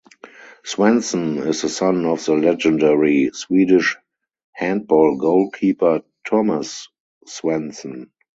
Svensson is the son of the legendary Swedish handball goalkeeper Tomas Svensson.